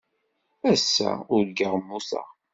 Ass-a, urgaɣ mmuteɣ.